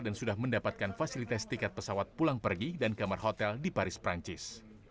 dan sudah mendapatkan fasilitas tiket pesawat pulang pergi dan kamar hotel di paris perancis